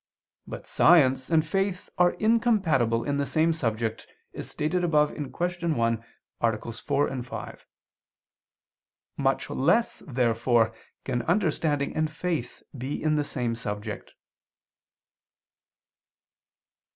But science and faith are incompatible in the same subject, as stated above (Q. 1, AA. 4, 5). Much less, therefore, can understanding and faith be in the same subject.